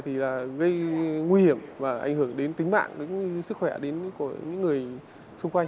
thì là gây nguy hiểm và ảnh hưởng đến tính mạng đến sức khỏe đến của những người xung quanh